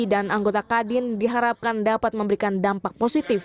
dan anggota kadin diharapkan dapat memberikan dampak positif